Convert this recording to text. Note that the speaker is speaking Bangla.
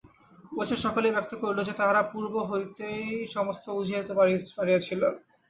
অবশেষে সকলেই ব্যক্ত করিল যে তাহারা পূর্ব হইতেই সমস্ত বুঝিতে পারিয়াছিল।